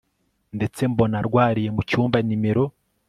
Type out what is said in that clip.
ndetse mbona arwariye mucyumba nimero